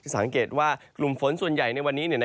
สังเกตว่ากลุ่มฝนส่วนใหญ่ในวันนี้